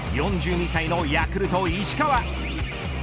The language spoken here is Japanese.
４２歳のヤクルト石川。